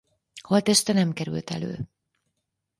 Holtteste nem került elő.